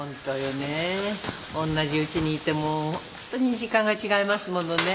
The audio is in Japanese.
同じうちにいてもホントに時間が違いますものね。